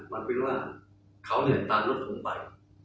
มันเป็นว่าเขาเนี่ยตามรถผมไป